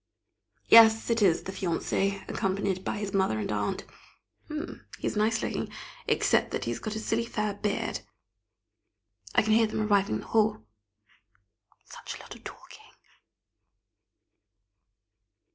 Yes, it is the fiancé, accompanied by his mother and aunt. He is nice looking, except that he has got a silly fair beard. I can hear them arriving in the hall; such a lot of talking!